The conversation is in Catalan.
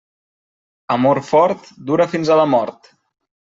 Amor fort dura fins a la mort.